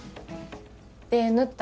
で縫った？